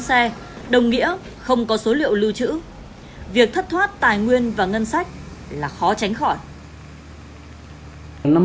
cá biệt có điểm mỏ được cấp phép từ năm hai nghìn một mươi năm